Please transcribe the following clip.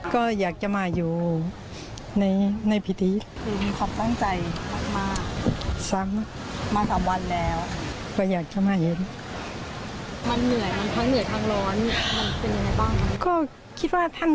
ก็อยากจะมาอยู่ในพิธี